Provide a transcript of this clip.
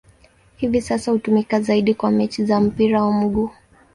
Hivi sasa hutumika zaidi kwa mechi za mpira wa miguu.